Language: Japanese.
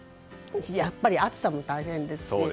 やっぱり暑さも大変ですし。